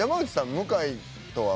向井とは。